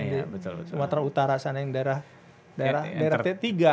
di sumatera utara sana yang daerah t tiga